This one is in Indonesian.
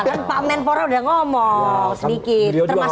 kan pak menpora udah ngomong sedikit